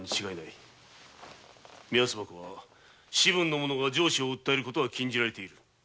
目安箱で士分の者が上司を訴える事は禁じられている。